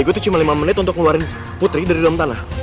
gue tuh cuma lima menit untuk ngeluarin putri dari dalam tanah